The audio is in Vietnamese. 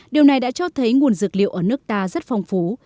điều này đã cho thấy nguồn dược liệu ở nước ta rất phong phú